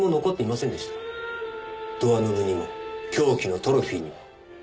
ドアノブにも凶器のトロフィーにも。